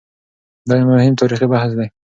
دا یو مهم تاریخي بحث دی.